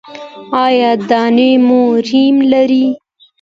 ایا دانې مو ریم لري؟